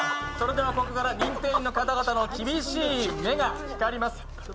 ここから認定員の方々の厳しい目が光ります。